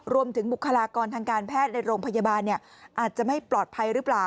บุคลากรทางการแพทย์ในโรงพยาบาลอาจจะไม่ปลอดภัยหรือเปล่า